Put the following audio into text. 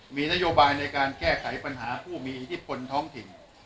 มีนโยบายในการแก้ไขปัญหาผู้มีอิทธิพลท้องถิ่น